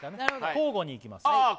交互にいきますあっ